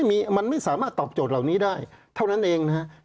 มันไม่สามารถตอบโจทย์เหล่านี้ได้เท่านั้นเองนะครับ